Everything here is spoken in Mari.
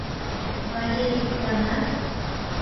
Валерикланат?